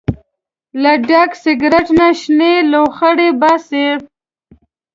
له ډک سګرټ نه شنې لوخړې باسي.